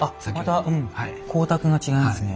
また光沢が違いますね。